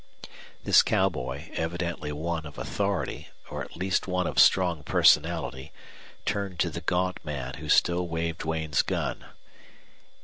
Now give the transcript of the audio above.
This cowboy, evidently one of authority, or at least one of strong personality, turned to the gaunt man, who still waved Duane's gun.